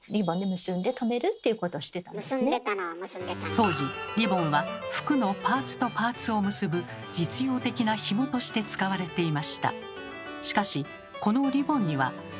当時リボンは服のパーツとパーツを結ぶ実用的なひもとして使われていました。